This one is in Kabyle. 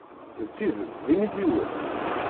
D tidet d imidiwen?